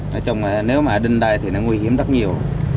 nói chung là nếu mà đinh đây thì nó nguy hiểm rất nhiều